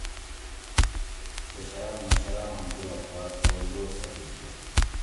کشران مشراناں جولاگ باۤر توجہ سہ بُج دہ